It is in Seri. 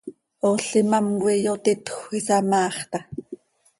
Ool imám coi iyotitjö, isamaax taa.